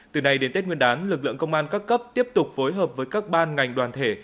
từ nay đến tết nguyên đán lực lượng công an các cấp tiếp tục phối hợp với các ban ngành đoàn thể